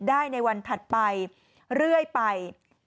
ได้ในวันถัดไปเรื่อยไป